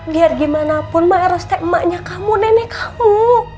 biar gimana pun emak erostek emaknya kamu nenek kamu